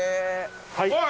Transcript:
はい！